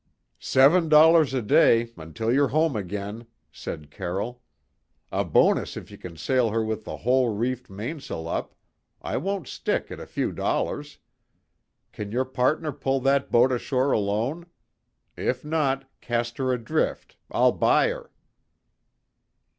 "Seven dollars a day, until you're home again," said Carroll. "A bonus if you can sail her with the whole reefed mainsail up I won't stick at a few dollars. Can your partner pull that boat ashore alone? If not, cast her adrift, I'll buy her."